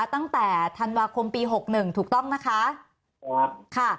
ตั้งแต่ธันวาคมปีหกหนึ่งถูกต้องนะคะครับค่ะ